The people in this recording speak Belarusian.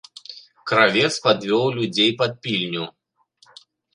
Кравец падвёў людзей пад пільню.